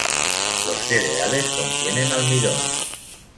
Los cereales contienen almidón.